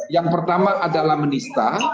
yang pertama adalah menista